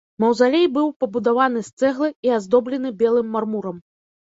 Маўзалей быў пабудаваны з цэглы і аздоблены белым мармурам.